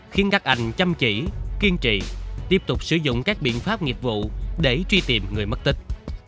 khiến các anh chăm chỉ kiên trì tiếp tục sử dụng các biện pháp nghiệp vụ để truy tìm người mất tích